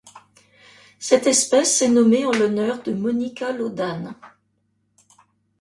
Cette espèce est nommée en l'honneur de Monika Laudahn.